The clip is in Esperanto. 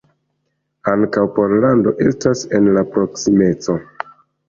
Ankaŭ Pollando estas en la proksimeco.